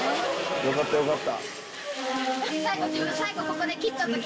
よかったよかった。